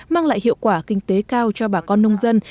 mang lại hiệu quả kinh tế cao cho bà con nông dân